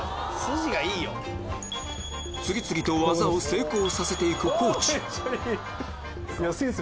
次々と技を成功させていく地